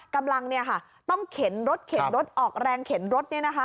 กำลังต้องเข็นรถออกแรงเข็นรถนี่นะคะ